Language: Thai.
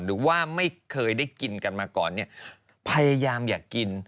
หรือว่าไม่เคยได้กินกันมาก่อนเนี่ยพยายามอยากกิน